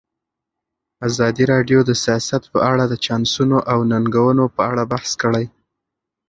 ازادي راډیو د سیاست په اړه د چانسونو او ننګونو په اړه بحث کړی.